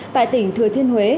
tại tỉnh thừa thiên huế